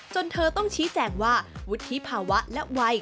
เธอต้องชี้แจงว่าวุฒิภาวะและวัย